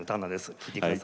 聴いてください。